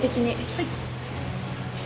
はい。